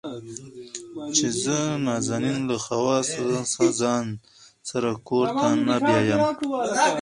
چې زه نازنين له حواسه ځان سره کور ته نه بيايم.